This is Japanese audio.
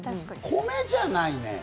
米じゃないね。